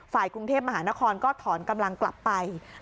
กรุงเทพมหานครก็ถอนกำลังกลับไป